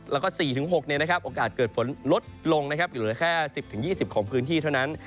แล้วก็๔๖โอกาสเกิดฝนลดลงอยู่เหลือแค่๑๐๒๐ของพื้นที่เท่านั้น